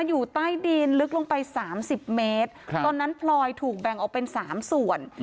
อยู่ใต้ดินลึกลงไปสามสิบเมตรตอนนั้นพลอยถูกแบ่งออกเป็น๓ส่วน